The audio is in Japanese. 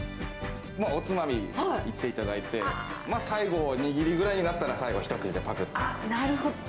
おつまみいっていただいて、最後、握りぐらいになったら、最後、なるほど。